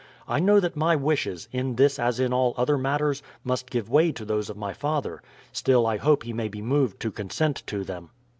I know that my wishes, in this as in all other matters, must give way to those of my father. Still I hope he may be moved to consent to them."